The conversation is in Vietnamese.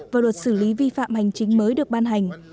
và luật xử lý vi phạm hành chính mới được ban hành